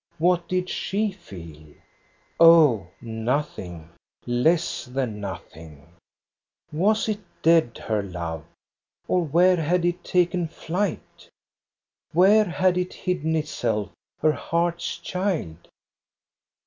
What did she feel? Oh, nothing, less than nothing ! Was it dead, her love, or where had it taken flight? Where had it hidden itself, her heart's child